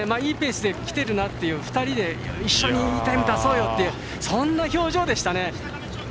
いいペースできてるなと２人で一緒にいいタイム出そうよって、そんな表情でしたね。